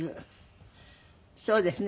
そうですね。